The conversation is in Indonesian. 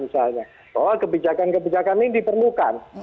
soal kebijakan kebijakan ini diperlukan